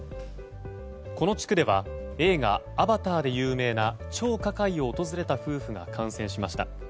この地区では映画「アバター」で有名な張家界を訪れた夫婦が感染しました。